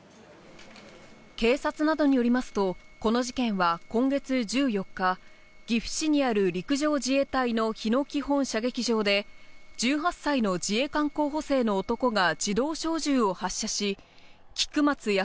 警察などによりますと、この事件は今月１４日、岐阜市にある陸上自衛隊の日野基本射撃場で、１８歳の自衛官候補生の男が自動小銃を発射し、菊松安